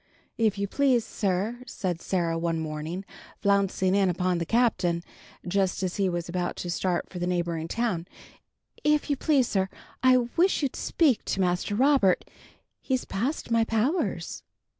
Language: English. "If you please, sir," said Sarah, one morning, flouncing in upon the Captain, just as he was about to start for the neighboring town, "If you please, sir, I wish you'd speak to Master Robert. He's past my powers."